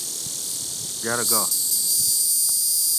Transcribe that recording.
جرگہ